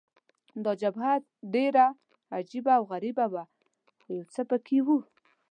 دا جبهه ډېره عجبه او غریبه وه، خو یو څه په کې وو.